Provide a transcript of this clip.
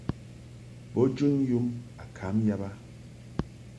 Bo jun yum a kam yab a.